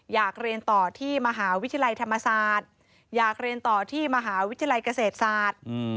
อยากเรียนต่อที่มหาวิทยาลัยธรรมศาสตร์อยากเรียนต่อที่มหาวิทยาลัยเกษตรศาสตร์